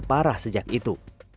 parah sejak itu